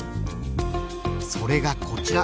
それがこちら。